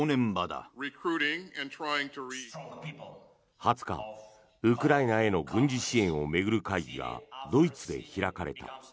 ２０日、ウクライナへの軍事支援を巡る会議がドイツで開かれた。